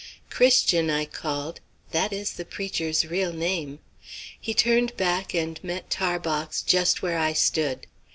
"Christian!" I called that is the preacher's real name. He turned back and met Tarbox just where I stood.